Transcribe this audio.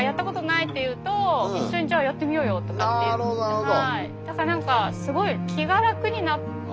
なるほどなるほど。